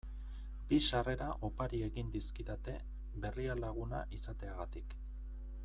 Bi sarrera opari egin dizkidate Berrialaguna izateagatik.